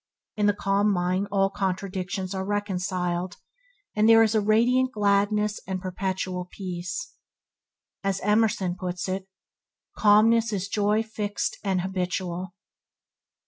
In the calm mind all contradictions are reconciled, and there is radiant gladness and perpetual peace. As Emerson puts it: "Calmness is joy fixed and habitual".